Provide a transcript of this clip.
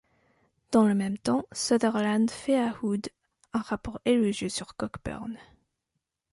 Dans le même temps, Sutherland fait à Hood un rapport élogieux sur Cockburn.